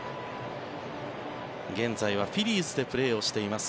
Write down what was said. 現在はフィリーズでプレーをしています